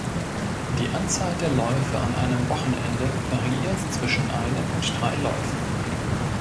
Die Anzahl der Läufe an einem Wochenende variiert zwischen einem und drei Läufen.